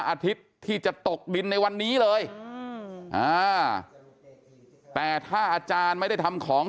อาทิตย์ที่จะตกดินในวันนี้เลยแต่ถ้าอาจารย์ไม่ได้ทำของ